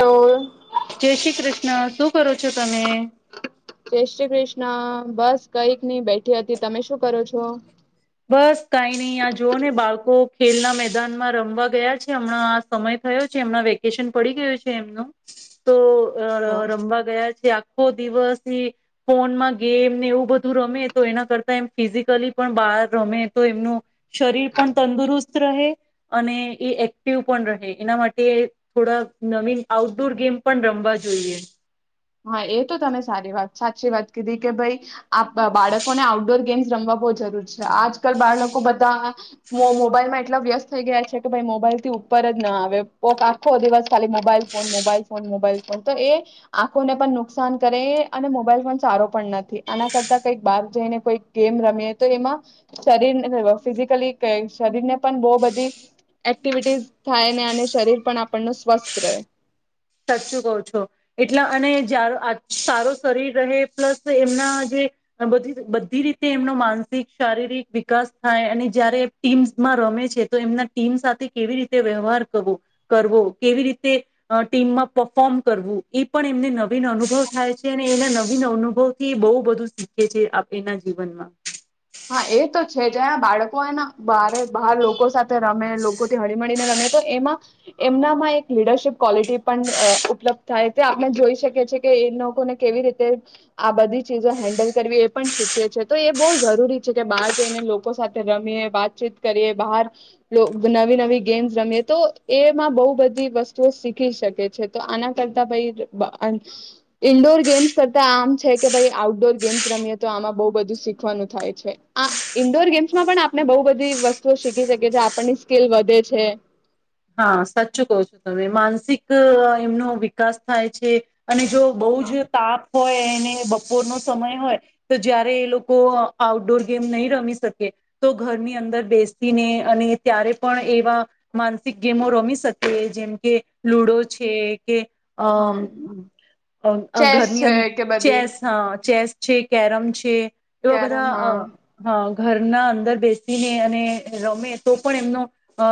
તો જય શ્રી કૃષ્ણ શું કરો છો તમે? જય શ્રી કૃષ્ણ બસ કઈક નઈ બેઠી હતી તમે શું કરો છો? બસ કઈ નહી આ જોઓ ને બાળકો ખેલના મેદાનમાં છે, હમણાં સમય થયો છે હમણાં વેકેશન પડી ગયું છે એમનું, તો અ હા રમવા ગયા છે. આખો દિવસ ફોનમાં ગેમ ને એવું બધું રમે તો એના કરતા એમ ફિઝિકલી પણ બહાર રમે તો એમનું, શરીર પણ તંદુરસ્ત રહે અને એ એક્ટિવ પણ રહે એના માટે થોડા નવીન આઉટડોર ગેમ પણ રમવા જોઈએ. હા એ તો તમે સારી વાત સાચી વાત કીધી કે ભાઈ, બાળકોને આઉટડોર ગેમ્સ રમવા બહ જરૂર છે આજકાલ બાળકો બધા, મોબાઈલમાં એટલા વ્યસ્ત થઈ ગયા છે કે ભાઈ મોબાઈલ થી ઉપર જ ના આવે પો આખો દિવસ ખાલી mobile phone mobile phone mobile phone તો એ. લોકોને પણ નુકસાન કરે અને મોબાઈલ પણ સારો પણ નથી આના કરતા કંઈક બહાર જઈને કોઈ ગેમ રમીએ તો એમાં, શરીરને ફિઝિકલી શરીરને પણ બહ બધી, એક્ટિવિટીસ થાય ને અને શરીર પણ આપણ ન સ્વસ્થ રહે. સાચું કહ છો, એટલા અને જાર આ સારો શરીર રહે પ્લસ એમના જે, બધ બધી રીતે એમનો માનસિક શારીરિક વિકાસ થાય અને જયારે ટીમમાં રમે છે તો એમના ટીમ સાથે કેવી રીતે વ્યવહાર કરવો, કરવો કેવી રીતે ટીમમાં પફોર્મ કરવું એ પણ એમને નવીન અનુભવ થાય છે અને એના નવીન અનુભવ થી એ બહુ બધું શીખે છે એના જીવનમાં. હા એ તો છે જં બાળકો બારે બહાર લોકો સાથે રમે લોકોથી હળીમીને રમે તો એમાં, એમનામાં એક લીડરશીપ ક્વોલિટી પણ ઉપલબ્ધ થાય તે આપણે જોઈ શકીએીએ કે એ લોકોને કેવી રીતે, આ બધી ચીજો હેન્ડલ કરવી એ પણ શીખએ છીએ તો એ બહુ જરૂરી કે બહાર જઈને લોકો સાથે રમીએ વાતચીત કરીએ બહાર, નવી નવી ગેમ્સ રમીએ તો એમાં બહુ બધી વસ્તુઓ શીખી શકે છે તો આના કરતા ભાઈ, ઇન્ડોર ગેમ્સ કરતા આમ છે કે ભાઈ આઉટડોર ગેમ્સ રમીએ તો આમાં બહ બધું શીખવાનું થાય છે. આ ઇન્ડોર ગેમ્સમાં પણ આપણે બહુ બધી વસ્તુઓ શીખી શકીએ આપણની સ્કીલ વધે છે. હા સાચું કહો છો તમે માનસિક એમનો વિકાસ થાય છે. અને જો બહુ જ તાપ હોય બપોર નો સમય હોય તો જયારે એ લોકો આઉટડોર ગેમ નહી રમી શકે તો ઘરની અંદર બેસીને અને ત્યારે પણ એવા મા ગેમો રમી શકીએ જેમ કે લુડો છે કે હા અ ચેસ ઘરની છે અંદ કે બધી ચેસ હ ચેસ છે કેરમ છે એવા કેરમ બધા હા અ હા. ઘરના અંદર બેસીને અને રમે તો પણ એમનો અ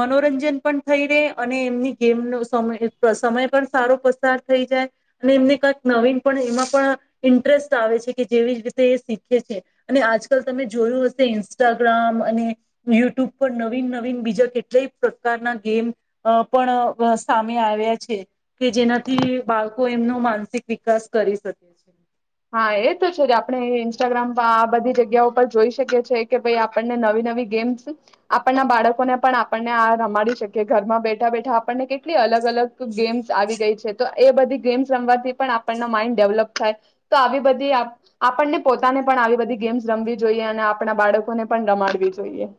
મનોરંજન પણ થઈ રે અને એમની ગેમનો સમય સમય પણ સારો પસાર થઈ જાય અને એમને કંક નવીન પણ એમાં પણ ઇન્ટરેસ્ટ આવે છે કે જેવી જ રીતે એ શીખે છે અને આજકાલ તમે જોયું હશે ઇન્સ્ટાગ્રામ અને યુટ્યુબ પર નવીન નવીન બીજા કેલા કેટલા પ્રકારના ગેમ પણ સામે આવ્યા છે કે જેનાથી બાળકો એમનો માનસિક વિકાસ કરી શકે છે. હા એ તો છે આપણે ઇન્સ્ટાગ્રામ આ બધી જગ્યા પર જોઈ શકીએ છી કે ભાઈ આપણને નવી નવી ગેમ્સ આપણના બાળકોને પણ આપણને આ રમાડી શકીએ ઘરમાં બેઠા [unintelligible] કેટલી અલગ અલગ ગેમ્સ આવી ગઈ છે તો એ બધી ગેમ્સ રમવાથી પણ આપણને માઇન્ડ ડેવલપ થાય. તો આવી બધી આપણને પોતાને પણ આવી બધી ગેમ્સ રમવી જોઈએ અને આપણા બાળકોને પણ રમાડવી જોઈએ.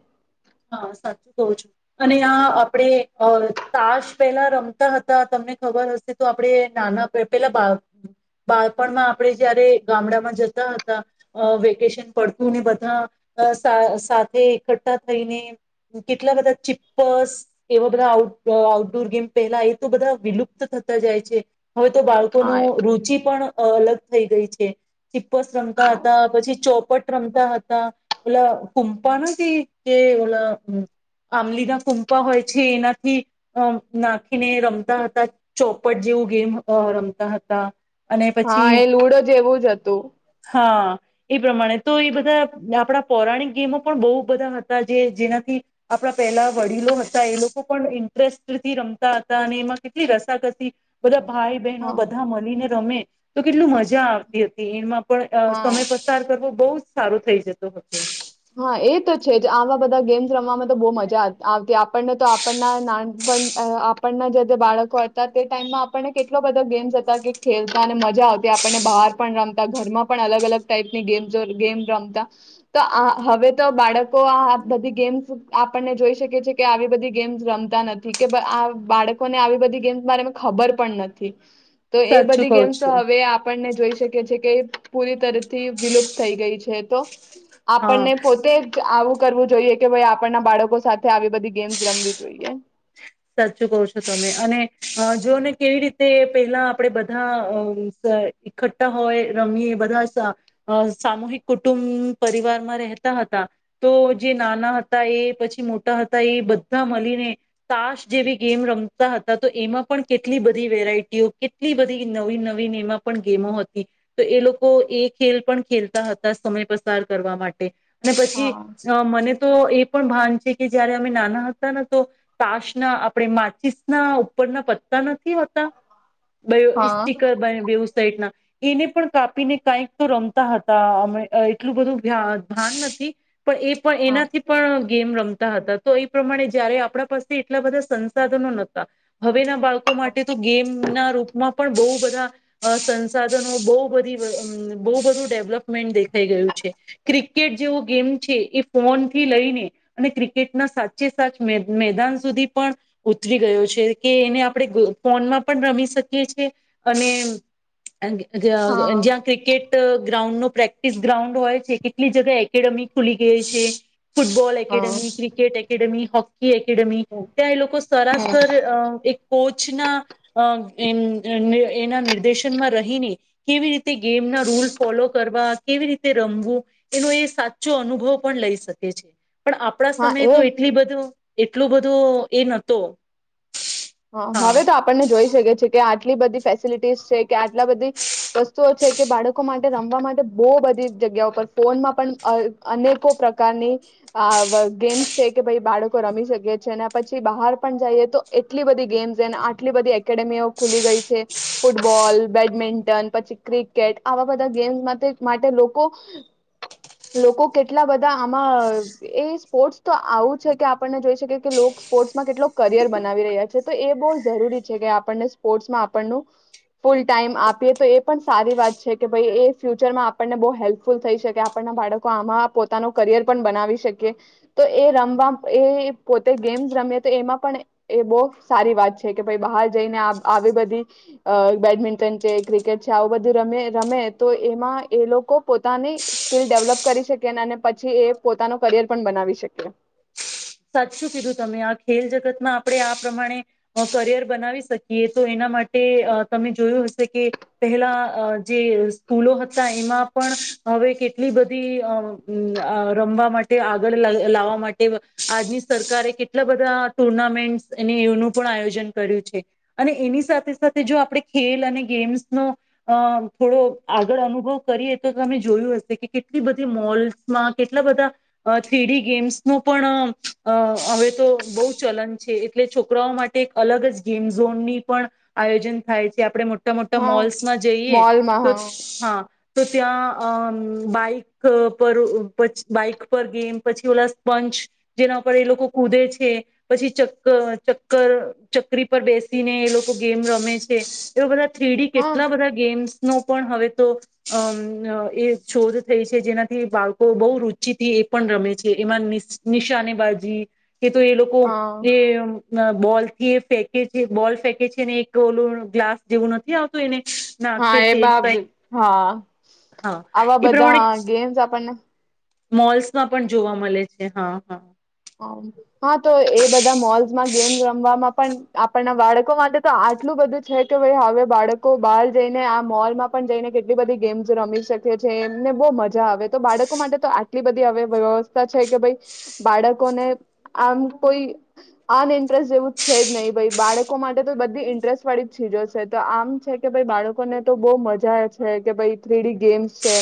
હા સાચું કઉ છું અને આ આપણેે તાશ પેલા રમતા હતા તમને ખબર હશે તો આપડણે નાના પેલા બા બાળપણમાં આપણે જયારે ગામડામાં જતા હતા વેકેશન પડતુંને બધા સાથે એકઠઠા થઈને કેટલા બધા ચીપ્પસ એવા બધા આ આઉટડોર ગેમ પહેલા એ તો બધા વિલુપ્ત થતા જાય છે. હવે તો હા બાળકોનું એ રુચિ પણ અ અલગ થઈ ગઈ છે. ચિપ્પસ રંગતા હા હતા પછી ચોપટ રમતા હતા એટલે હૂમપા કે આંમલીના ફૂમપા હોય છે એનાથી અ નાખીને રમતા હતા ચોપટ જેવું ગેમ રમતા હતા. અને હા પછી એ લુડો જેવું જ હતું. હા એ પ્રમાણે તો એ બધા આપણા પૌરાણિક ગેમો પણ બહુ બધા હતા. જે જેનાથી આપણા પહેલા વડીલો હતા એ લોકો પણ ઇન્ટરેસ્ટથી રમતા હતા અને એમાં કેટલી રસાકસી બધા ભાઈ બહેનો હા બધા મળીને રમે. [inaudible] તો કેટલું મજા આવતી હતી એમાં પણ હા સમય પસાર કરવો. બહુ જ સારું થઈ જતો હતો. હા એ તો છે જ આવા બધા ગેમ્સ રમવામાં તો બહ મજા આવતી. આપણને તો આપણના નાન આપણના જે બાળકો હતા તે ટાઈમમાં આપણને કેટલો બધા ગેમ્સ હતા કે ખેલતા અને મજા આવતી આપણને બહાર પણ રમતા ઘરમાં પણ અલગ અલગ ટાઈપની ગેમ્ ગેમ રમતા. હવે તો બાળકો આ બધી ગેમ્સ આપણને જોઈ શકી છે કે આવી બધી ગેમ્સ રમતા નથી કે આ બાળકોને આવી બધી ગેમ્સ મા ખબર પણ નથી. તો એ સાચું બધી કહું ગેમ્સ છું હવે આપણને જોઈ કે પૂરી તરફથી વિલુપ્ત થઈ ગઈ છે તો આપણને હા પોતે જ આવું કરવું જોઈએ કે ભાઈ આપણના બાળકો સાથે આવી બધી ગેમ્સ રમવી જોઈએ. સાચું કહો છો તમે અને જોને કેવી રીતે પેલા આપણેે બધા ઠ્ઠા હોય રમીએ બધા સામૂહિક કુટુંબ પરિવારમાં રહેતા હતા તો જે નાના હતા એ પછી મોટા હતા એ બધા મળીને તાશ જેવી ગેમ રમતા હતા તો એમાં પણ કેટલી બધી વેરાયટીઓ કેટલી બધી નવી નવી એમાં પણ ગેમો હતી તો એ લોકો એ ખેલ પણ ખેલતા હતા સમય પસાર કરવા માટે અને પછી હા મને તો એ પણ ભાન છે કે જયારે અમે નાના હતા ને તો તાશ ના આપણે માચીસ ના ઉપરના પત્તા નથી. બ હા સ્ટીકર બને બેવું સાઈડ ના એને પણ કાપીને કઈક તો રમતા હતા અમે એટલું બધું ભાન નથી પણ એ પણ હા એનાથી પણ ગેમ રમતા હતા તો એ પ્રમાણે જયારે આપણા પાસે એટલા બધા સંસાધનો નતા હવેના બાળકો માટે તો ગેમ ના રૂપમાં પણ બહુ બધા સંસાધનો બહ બધી બહુ બધું ડેવલપમેન્ટ દેખાઈ ગયું છે ક્રિકેટ જેવો ગેમ છે એ ફોન થી લઈને અને ક્રિકેટના સાચે સાચ મેદાન સુધી પણ ઉતરી ગયો છે કે એને આપણે ફોનમાં પણ રમી શકીએ છે અને [unintelligible] હા જ્યાં ક્રિકેટ ગ્રાઉન્ડ નો પ્રેક્ટિસ ગ્રાઉન્ડ હોય છે કેટલી જગ્યા એકેડેમી ખુલી ગઈ છે ફુટબોલ હા academy cricket academy hockey academy ત્યાં એ લોકો સરાસર અ એક કોચના અ એના નિર્દેશનમાં રહીને કેવી રીતે ગેમના રૂલ ફોલો કરવા કેવી રીતે રમવું એનો એ સાચો અનુભવ પણ લઈ શકે છે પણ આપણા હા સમયે એ તો એટલી બધું એટલું બધું. તો એ નતો હા હવે તો આપણને જોઈ શકે છે કે આ આટલી બધી ફેસિલિટીસ છે કે આટલા બધી વસ્તુઓ છે કે બાળકો માટે રમવા માટે બોહ બધી જગ્યા પર ફોનમાં પણ અનેકો પ્રકારની ગેમ્સ છે કે ભાઈ બાળકો રમી શકે છે અને પછી બહાર પણ જઈએ તો એ આટલી બધ ગેમ્સ અને આટ બધી એ એકેડેમીઓ ખુલી ગઈ છે. ફૂટબોલ બેડમિન્ટન પછી ક્રિકેટ આવા બધા ગેમ્સ માટે માટે લોકો લોકો કેટલા બધા આમાં એ સ્પોર્ટ્સ તો આવું છે કે આપણને જોઈ શકીએ કે સ્પોર્ટ્સમાં કેટલો કરિયર બનાવી રહ્યા છે. એ બ જરૂરી છે કે આપણને સ્પોર્ટ્સમાં આપણ ફૂલ ટાઈમ આપીએ તો એ પણ સારી વાત છે કે ભાઈ એ ફ્યુચરમાં આપણને બહુ હેલ્પફુલ થઈ શકે આપણના બાળકો આમાં પોતાનો કરિયર પણ બનાવી શકીએ તો એ રમવા એ પોતે ગેમ્સ રમીએ તો એમાં પણ એ બહ સારી વાત છે કે ભાઈ બહાર જઈને આવી બધી બેડમિન્ટન છે ક્રિકેટ છે આવું બધું ર રમે તો એમાં એ લોકો પોતાની સ્કીલ ડેવલપ કરી શકે અને પછી એ પોતાનો કરિયર પણ બનાવી શકે. સાચું કીધું તમે આ ખેલ જગતમાં આપણે આ પ્રમાણે કરિયર બનાવી શકીએ તો એના માટે તમે જોયું હશે કે પહેલા જે સ્કૂલો હતા એમાં પણ હવે કેટલી બધી અ રમવા માટે આગળ લાવવા માટે આજની સરકારે કેટલા બધા ટુર્નામેન્ટ્સ એ એનું પણ આયોજન કર્યું છે અને એની સાથે સાથે જો આપણે ખેલ અને ગેમ્સનો અ થોડો આગળ અનુભવ કરીએ તો તમે જોયું હશે કે કેટલી બધી મોલ્સમાં કેટલા બધા થ્રીડી ગેમ્સનો પણ અ હવે તો બહુ ચલન છે એટલે છોકરાઓ માટે એક અલગ જ ગેમ ઝોનની પણ આયોજન થાય છે આપણે મોટ મોટા મોટા હા મોલ્સમાં જઈએ તો હા. તો ત્યાં અ બાઈક પર બાઈક પર ગેમ પછી ઓલા સ્પંચ જેના ઉપર એ લોકો કૂદે છે પછી ચક્કર ચક્કર ચકરી પર બેસીને એ લોકો ગેમ રમે છે એવા બધા થ્રીડી હા કેટલા બધા ગેમ્સ નો પણ હવે તો અ એ શોધ થઈ છે જેનાથી બાળકો બહુ રુચિથી એ પણ રમે છે એમાં શાને બાજી કે તો એ લોકો હા એ બોલ થી એ ફેકે છે બોલ ફેંકે છેને એક ઓલું ગ્લાસ જેવું નથી આવતો એને નાખે હા એ છે બા એને કઈક હા હા આવા એ બધા પ્રમાણે ગેમ્સ આપણને મોલ્સમાં પણ જોવા મળે છે હા હા. હા તો એ બધા મોલ્સમાં ગેમ્સ રમવામાં પણ આપણના બાળકો માટે તો આટલું બધું છે કે ભાઈ હવે બાળકો બહાર જઈને આ મોલમાં પણ જઈને કેટલી બધી ગેમ્સ રમી શકે છે એમને બહ મજા આવે તો બાળકો માટે તો આટલી બધી હવે વ્યવસ્થા છે કે ભાઈ બાળક આમ કોઈ અન ઇન્ટરેસ્ટ જેવું છે જ નહીિ ભ બાળકો માટે તો બધી ઇન્ટરેસ્ટ વાળી ચીજો છે તો આમ છે કે ભ બાળકોને તો બહ મજા છે કે ભાઈ થ્રીડી ગેમ્સ છે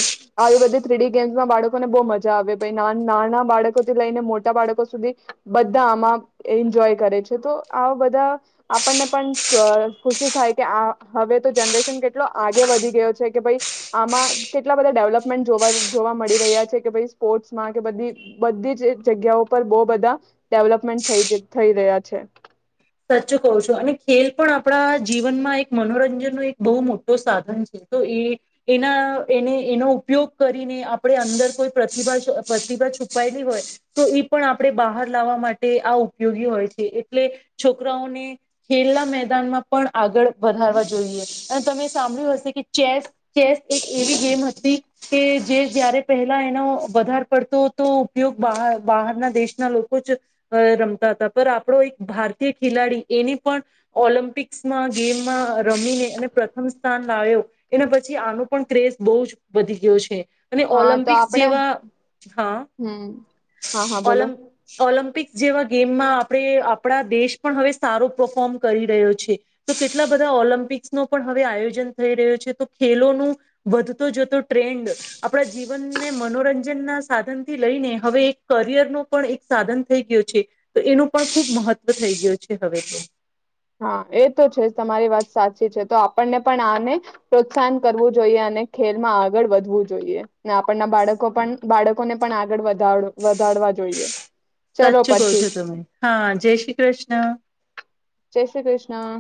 આવી બધી થ્રી ડી ગેમ્સમાં બાળકોને બહ મજા આવે નાના બાળકો થી લઈને મો બાળકો સુધી બધા, આમાં એન્જોય કરે છે તો આ બધા, આપણને પણ ખુશી થાય કે આ હવે તો જનરેશન કેટલો આગે વધી ગયો છે કે ભાઈ, આમાં કેટલા બધા ડેવલપમેન્ટ જોવા જોવા મળી રહ્યા છે કે ભાઈ સ્પોર્ટ્સમાં કે બધી બધી જ જગ્યાઓ પર બહ બધા, ડેવલપમેન્ટ થ થઈ રહ્યા છે. સચ્ચ કહો છો અને ખેલ પણ આપણા જીવનમાં એક મનોરંજનનો એક બહુ મોટો સાધન છે, તો એ એના એને એનો ઉપયોગ કરીને આપણે અંદર કોઈ પ્રતિભા પ્રતિભા છુપાયેલી હોય, તો એ પણ આપણે બહાર લાવવા માટે આ ઉપયોગી હોય છે, એટલે છોકરાઓને ખેલના મેદાનમાં પણ આગળ વધારવા જોઈએ, અને તમે સાંભળ્યું હશે કે ચેસ ચેસ એક એવી ગેમ હતી કે જે જયારે પહેલા એનો વધાર પડતો તો ઉપયોગ બહારના દેશના લોકો જ, રમતા હતા પર આપણો એક ભારતી ભારતીય ખેલાડી એને પણ, ઓલમ્પિક્સમાં ગેમમાં રમીને એ પ્રથમ સ્થાન લાવ્યો, એના પછી આનો પણ ક્રેઝ બહુ જ વધી ગયો છે. અને હા તો ઓલમ્પિક્સ આપણે જેવા હા, હમ હા હા બોલો ઓલમ્ ઓલમ્પિક્સ જેવા ગેમમાં આપડે આપણા દેશ પણ હવે સારો પરફોર્મ કરી રહ્યો છે, તો કેટલા બધા ઓલમ્પિક્સ નો પણ હવે આયોજન થઈ રહ્યો છે તો ખેલોનું, વધતો જતો ટ્રેન્ડ, આપણા જીવનને મનોરંજન ના સાધન થી લઈને હવે એક કરિયર નો પણ એક સાધન થઈ ગયો છે, તો એનું પણ ખૂબ મહત્ત્વ થઈ ગયો છે હવે તો. હા એ તો છે જ તમારી વાત સાચી છે તો આપણને પણ આને, પ્રોત્સાહન કરવું જોઈએ અને ખેલમાં આગળ વધવું જોઈએ. ના આપણ ના બાળકો પણ બાળકોને પણ આગળ વધ વધારવા જોઈએ. ચલો સાચું કહો પછી છો તમે હા જય શ્રી કૃષ્ણ. જય શ્રી કૃષ્ણ.